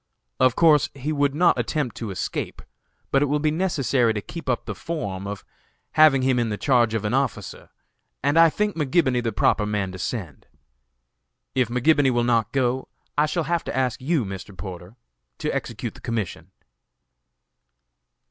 Of course he would not attempt to escape, but it will be necessary to keep up the form of having him in the charge of an officer, and I think McGibony the proper man to send. If McGibony will not go I shall have to ask you, Mr. Porter, to execute the commission."